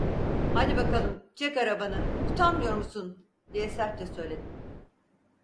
"Hadi bakalım, çek arabanı, utanmıyor musun?" diye sertçe söyledim.